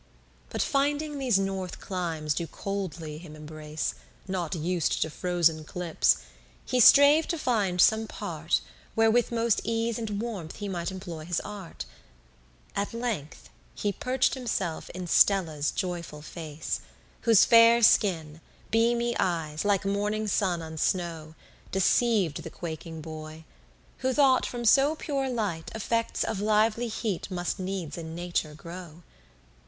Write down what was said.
But finding these north climes do coldly him embrace, Not used to frozen clips, he strave to find some part Where with most ease and warmth he might employ his art: At length he perch'd himself in Stella's joyful face, Whose fair skin, beamy eyes, like morning sun on snow, Deceiv'd the quaking boy, who thought from so pure light Effects of lively heat must needs in nature grow.